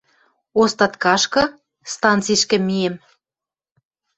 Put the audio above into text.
Остаткашкы станцишкӹ миэм